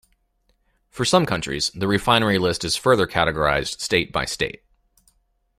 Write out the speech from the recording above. For some countries, the refinery list is further categorized state-by-state.